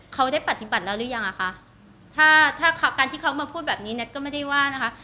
เขาได้ปฏิบัติแล้วหรือยังอ่ะคะถ้าถ้าการที่เขามาพูดแบบนี้แท็ตก็ไม่ได้ว่านะคะ